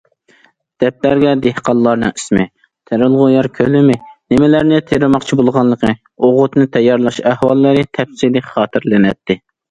دەپتەرگە دېھقانلارنىڭ ئىسمى، تېرىلغۇ يەر كۆلىمى، نېمىلەرنى تېرىماقچى بولغانلىقى، ئوغۇتنى تەييارلاش ئەھۋاللىرى تەپسىلىي خاتىرىلىنەتتى.